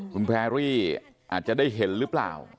คุณแพรรี่อาจจะได้เห็นหรือเปล่า